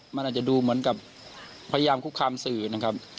มันอาจจะดูเหมือนกับพยายามคุกคามสื่อนะครับ